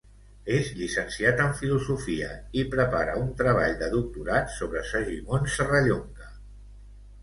És llicenciat en filosofia i prepara un treball de doctorat sobre Segimon Serrallonga.